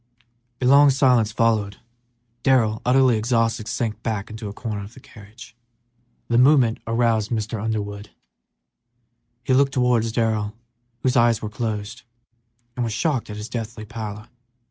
A long silence followed. Darrell, utterly exhausted, sank back into a corner of the carriage. The slight movement roused Mr. Underwood; he looked towards Darrell, whose eyes were closed, and was shocked at his deathly pallor.